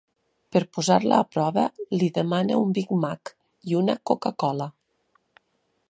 Per posar-la a prova, li demana un Big Mac i una Coca-Cola.